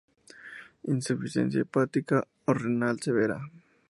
Insuficiencia hepática o renal severa.